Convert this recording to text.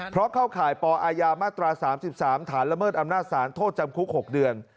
เพราะเข้าข่ายปอายามาตรา๓๓ฐานละเมิดอำนาจศาลโทษจำคุก๖เดือน